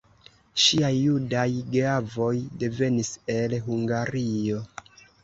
Ŝiaj judaj geavoj devenis el Hungario.